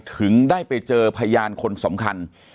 ถึงได้ไปเจอพยานคนสำคัญ